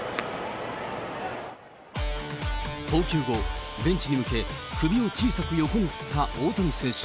投球後、ベンチに向け、首を小さく横に振った大谷選手。